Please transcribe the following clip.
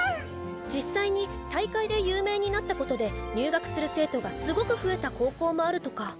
実際に大会で有名になったことで入学する生徒がすごく増えた高校もあるとか。